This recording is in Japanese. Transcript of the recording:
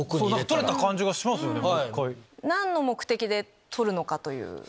取れた感じがしますよね。